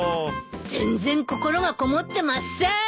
全然心がこもってません。